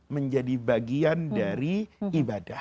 menjadi bagian dari ibadah